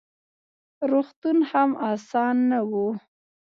روغتون هم اسان نه و: